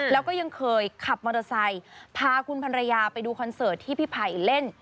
แล้วก็ยังเคยขับมอเตอร์ไซค์พาคุณพันรยาไปดูคอนเสิร์ตที่พี่ไผ่เล่น